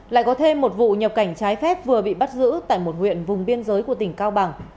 lại có thêm một vụ nhập cảnh trái phép vừa bị bắt giữ tại một huyện vùng biên giới của tỉnh cao bằng